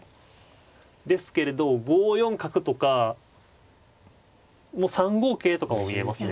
ですけれど５四角とか３五桂とかも見えますね。